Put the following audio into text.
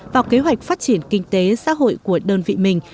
vào kế hoạch phát triển kinh tế xã hội của đơn vị mình